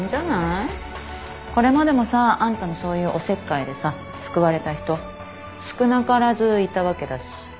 これまでもさあんたのそういうおせっかいでさ救われた人少なからずいたわけだし。